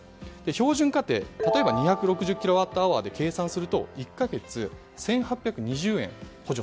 標準家庭２６０キロワットアワーで計算すると、１か月１８２０円